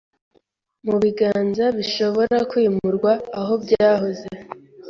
mubiganza bishobora kwimurwa aho byahoze